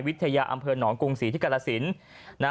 วิทยาอำเภิญหนองกรุงศรีที่กรไลศิลป์